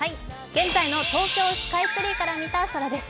現在の東京スカイツリーから見た空です。